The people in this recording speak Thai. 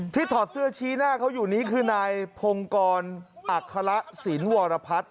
ถอดเสื้อชี้หน้าเขาอยู่นี้คือนายพงกรอัคระสินวรพัฒน์